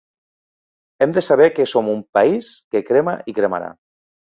Hem de saber que som un país que crema i cremarà.